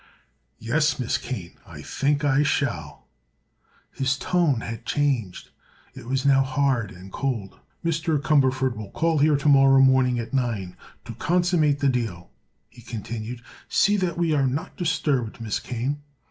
"Yes, Miss Kane; I think I shall." His tone had changed. It was now hard and cold. "Mr. Cumberford will call here to morrow morning at nine, to consummate the deal," he continued. "See that we are not disturbed, Miss Kane."